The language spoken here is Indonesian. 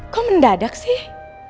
kok mendadak sih